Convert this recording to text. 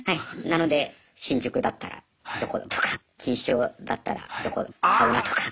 なので新宿だったらどことか錦糸町だったらどこのサウナとか。